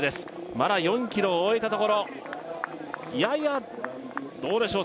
まだ４ｋｍを終えたところややどうでしょう？